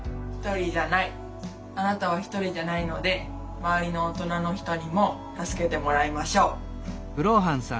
あなたはひとりじゃないので周りの大人の人にも助けてもらいましょう。